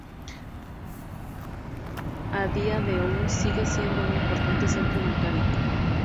A día de hoy sigue siendo un importante centro bancario.